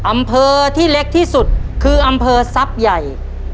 อำเภอที่เล็กที่สุดคืออำเภอทรัพย์ใหญ่